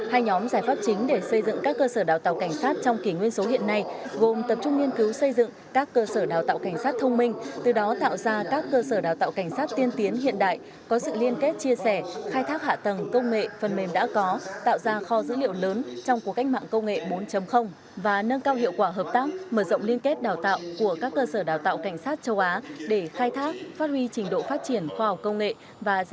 hai nhóm giải pháp chính để xây dựng các cơ sở đào tạo cảnh sát trong kỷ nguyên số hiện nay gồm tập trung nghiên cứu xây dựng các cơ sở đào tạo cảnh sát thông minh từ đó tạo ra các cơ sở đào tạo cảnh sát tiên tiến hiện đại có sự liên kết chia sẻ khai thác hạ tầng công nghệ phần mềm đã có tạo ra kho dữ liệu lớn trong cuộc cách mạng công nghệ bốn và nâng cao hiệu quả hợp tác mở rộng liên kết đào tạo của các cơ sở đào tạo cảnh sát châu á để khai thác phát huy trình độ phát triển khoa học công nghệ và